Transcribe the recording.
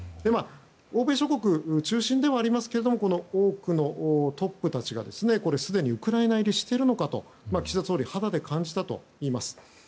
欧米諸国中心ではありますけど多くのトップたちがすでにウクライナ入りしているのかと岸田総理肌で感じたといいます。